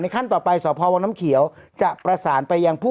ขั้นต่อไปสพวังน้ำเขียวจะประสานไปยังผู้